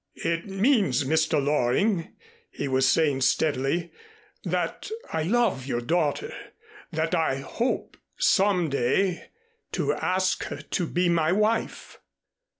"It means, Mr. Loring," he was saying steadily, "that I love your daughter that I hope, some day, to ask her to be my wife."